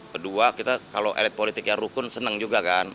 kedua kita kalau elit politik yang rukun senang juga kan